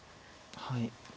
はい。